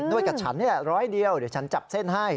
กับฉันนี่แหละร้อยเดียวเดี๋ยวฉันจับเส้นให้